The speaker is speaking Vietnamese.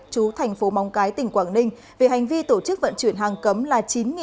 chú thành phố móng cái tỉnh quảng ninh về hành vi tổ chức vận chuyển hàng cấm là chín bảy trăm linh